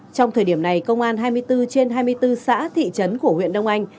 trong thời điểm này công an hai mươi bốn trên hai mươi bốn xã thị trấn của huyện đông anh